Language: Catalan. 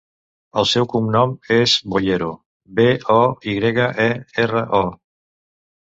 El seu cognom és Boyero: be, o, i grega, e, erra, o.